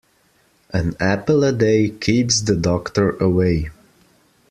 An apple a day keeps the doctor away.